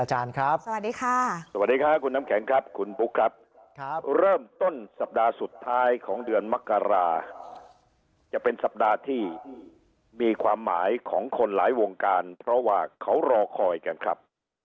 เชื่ออาจารย์ครับ